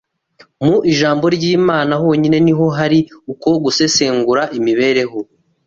Mu ijambo ry’Imana honyine ni ho hari uko gusesengura imibereho.